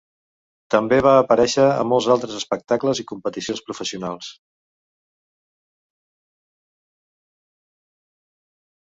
També va aparèixer a molts altres espectacles i competicions professionals.